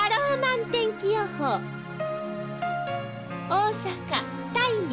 大阪太陽。